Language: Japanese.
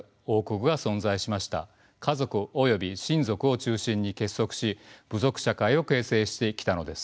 家族および親族を中心に結束し部族社会を形成してきたのです。